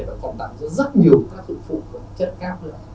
và phong tác ra rất nhiều các thực phụ chất khác nữa